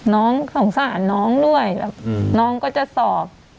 น้องสงสารน้องด้วยแบบน้องก็จะสอบ